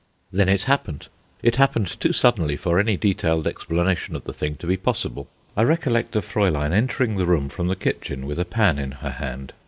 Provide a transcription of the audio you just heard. Then it happened. It happened too suddenly for any detailed explanation of the thing to be possible. I recollect a Fraulein entering the room from the kitchen with a pan in her hand.